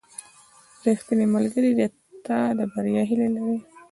• ریښتینی ملګری د تا د بریا هیله لري.